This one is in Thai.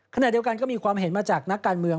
ขณะเดียวกันก็มีความเห็นมาจากนักการเมือง